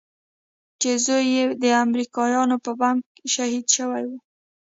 چې زوى يې د امريکايانو په بم شهيد سوى و.